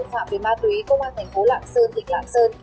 công an huyện kim bạc về ma túy công an thành phố lạng sơn tỉnh lạng sơn